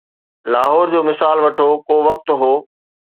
لاهور جو مثال وٺو، ڪو وقت هو.